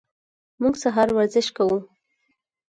موږ سهار ورزش کوو.